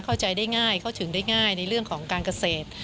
เข้าใจได้ง่ายเข้าถึงได้ง่ายในเรื่องของการเกษตร